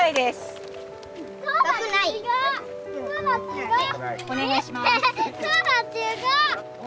すごい！